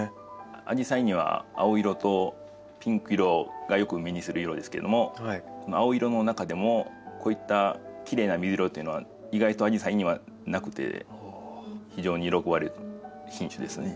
アジサイには青色とピンク色がよく目にする色ですけども青色の中でもこういったきれいな水色っていうのは意外とアジサイにはなくて非常に喜ばれる品種ですね。